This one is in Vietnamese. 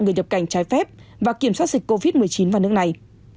người nhập cảnh trái phép và kiểm soát dịch covid một mươi chín vào nước này